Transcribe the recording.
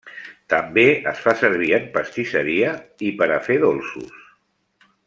També es fa servir en pastisseria i per a fer dolços.